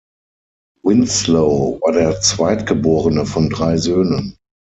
Winslow war der Zweitgeborene von drei Söhnen.